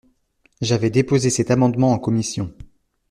J’avais déposé cet amendement en commission.